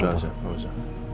nggak usah nggak usah